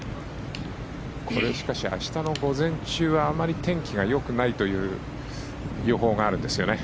明日の午前中はあまり天気が良くないという予報があるんですよね。